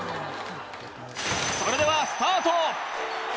それではスタート！